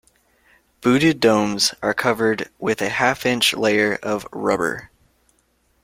Booted domes are covered with a half-inch layer of rubber.